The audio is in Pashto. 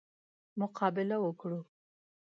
مقابله وکړو.